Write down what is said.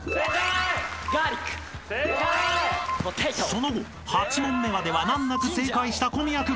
［その後８問目までは難なく正解した小宮君。